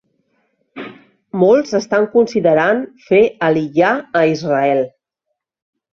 Molts estan considerant fer aliyà a Israel.